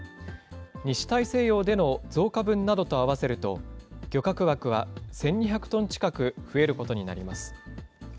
西大西洋での増加分などと合わせると、漁獲枠は１２００トン近く増えることになります。